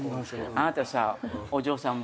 あなたさお嬢さん